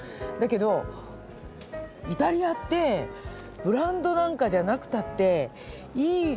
だけどイタリアってブランドなんかじゃなくたっていい。